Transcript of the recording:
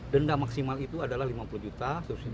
denda maksimal itu adalah lima puluh juta